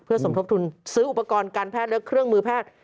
สมทบทุนซื้ออุปกรณ์การแพทย์และเครื่องมือแพทย์